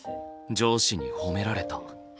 上司に褒められた。